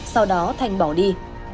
sau đó thành bỏ đi